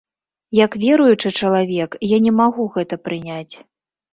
Як веруючы чалавек я не магу гэта прыняць.